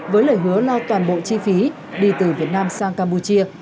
với lời hứa lo toàn bộ chi phí đi từ việt nam sang campuchia